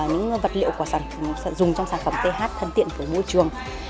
những vật liệu quả dùng trong sản phẩm th thân thiện với môi trường